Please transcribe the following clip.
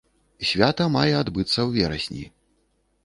Свята мае адбыцца ў верасні.